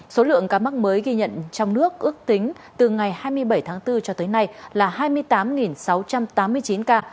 số lượng ca mắc mới ghi nhận trong nước ước tính từ ngày hai mươi bảy tháng bốn cho tới nay là hai mươi tám sáu trăm tám mươi chín ca